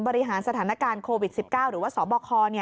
บริหารสถานการณ์โควิด๑๙หรือว่าสบค